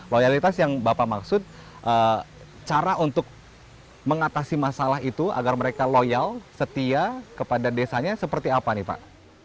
loyalitas yang bapak maksud cara untuk mengatasi masalah itu agar mereka loyal setia kepada desanya seperti apa nih pak